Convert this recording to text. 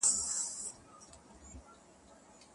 يو دبل په غېږ اغوستي -